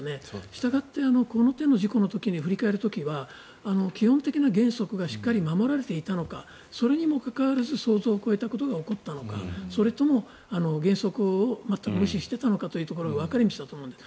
したがって、この手の事故の時に振り返る時は基本的な原則がしっかり守られていたのかそれにもかかわらず想像を超えることが起こったのかそれとも原則を全く無視していたのかというところが分かれ道だと思うんです。